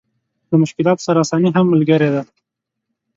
له مشکلاتو سره اساني هم ملګرې ده.